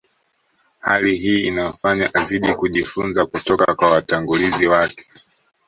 Hali hii inamfanya azidi kujifunza kutoka kwa watangulizi wake